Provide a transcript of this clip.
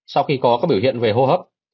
sau khi có các biểu hiện về hô hấp